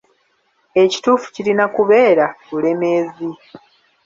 Ekituufu kirina kubeera 'Bulemeezi.'